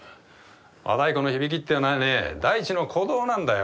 和太鼓の響きっていうのはねえ大地の鼓動なんだよ。